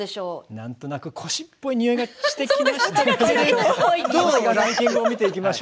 なんとなく腰っぽいにおいがしてきました。